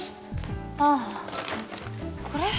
あっこれ？